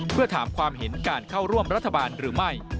เพื่อถามความเห็นการเข้าร่วมรัฐบาลหรือไม่